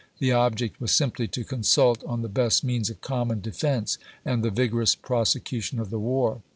The object was simply to consult on the best means of common defense and the vigorous prosecution of the war.